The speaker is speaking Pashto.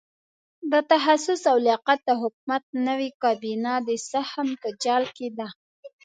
د تخصص او لیاقت د حکومت نوې کابینه د سهم په جال کې ده.